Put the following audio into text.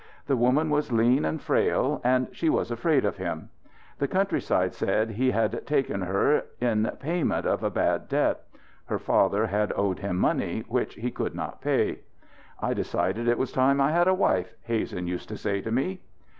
The woman was lean and frail; and she was afraid of him. The countryside said he had taken her in payment of a bad debt. Her father had owed him money which he could not pay. "I decided it was time I had a wife," Hazen used to say to me.